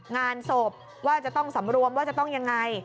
งานศพว่าจะต้องสำรวมว่าจะต้องยังไง